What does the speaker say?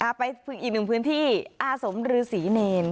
อ้าวกดไปอีกหนึ่งอายะสมรืสีเนร